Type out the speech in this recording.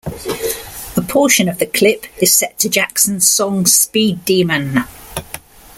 A portion of the clip is set to Jackson's song Speed Demon.